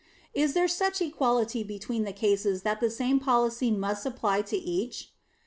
Is there such equality between the cases that the same policy must apply to each?